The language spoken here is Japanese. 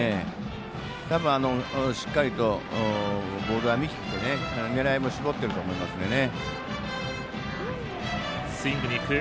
しっかりとボールを見て狙いも絞ってると思いますのでね。